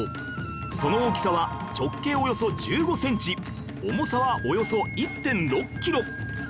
その大きさは直径およそ１５センチ重さはおよそ １．６ キロ